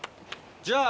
じゃあ。